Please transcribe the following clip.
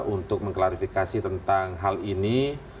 untuk mengklarifikasi tentang hal ini